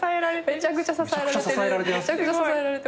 めちゃくちゃ支えられてる。